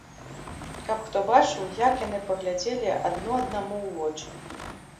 Каб хто бачыў, як яны паглядзелі адно аднаму ў вочы!